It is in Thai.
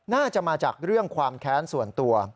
น่าจะมาจากเรื่องความแค้นส่วนตัว